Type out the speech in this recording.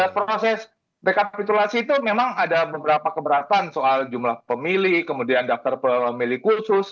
proses rekapitulasi itu memang ada beberapa keberatan soal jumlah pemilih kemudian daftar pemilih khusus